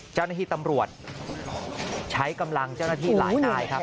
เจ้าหน้าที่ตำรวจใช้กำลังเจ้าหน้าที่หลายนายครับ